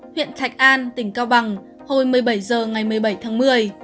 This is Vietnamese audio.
huyện thạch an tỉnh cao bằng hồi một mươi bảy h ngày một mươi bảy tháng một mươi